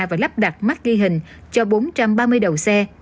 và lắp đặt mắt ghi hình cho bốn trăm ba mươi đầu xe